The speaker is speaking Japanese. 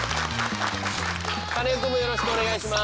カネオくんもよろしくお願いします。